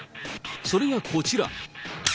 それがこちら。